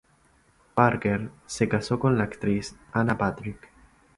Parker se casó con la actriz Anna Patrick.